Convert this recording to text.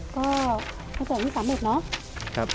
ก็จากพี่สามหมดเนอะครับ